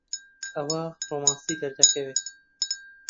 ئەوە ڕۆمانسی دەردەکەوێت؟